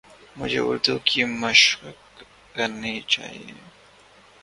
مجھے اردو کی مَشق کرنی چاہیے